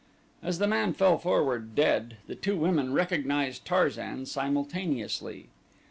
As the man fell forward dead, the two women recognized Tarzan simultaneously.